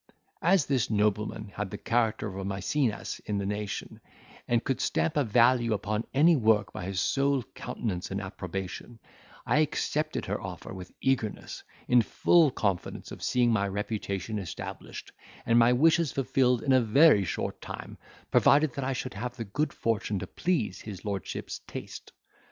As this nobleman had the character of a Maecenas in the nation, and could stamp a value upon any work by his sole countenance and approbation, I accepted her offer with eagerness, in full confidence of seeing my reputation established, and my wishes fulfilled in a very short time, provided that I should have the good fortune to please his lordship's taste.